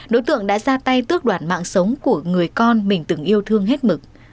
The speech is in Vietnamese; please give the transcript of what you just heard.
đối tượng đã ra tay tước đoạt mạng sống của người con mình từng yêu thương hết mực